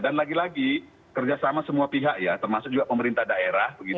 dan lagi lagi kerjasama semua pihak ya termasuk juga pemerintah daerah begitu